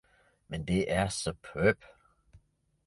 Men det er superb!